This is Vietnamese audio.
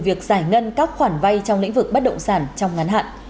việc giải ngân các khoản vay trong lĩnh vực bất động sản trong ngắn hạn